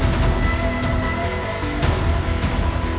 aku bisa correlaksikan